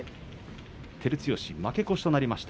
照強は負け越しとなりました